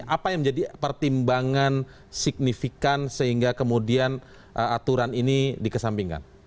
apa yang menjadi pertimbangan signifikan sehingga kemudian aturan ini dikesampingkan